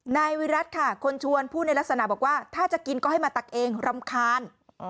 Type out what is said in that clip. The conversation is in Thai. นายวิรัติค่ะคนชวนพูดในลักษณะบอกว่าถ้าจะกินก็ให้มาตักเองรำคาญ